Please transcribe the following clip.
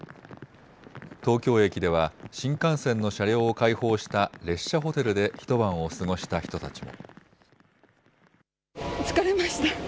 東京駅では新幹線の車両を開放した列車ホテルで一晩を過ごした人たちも。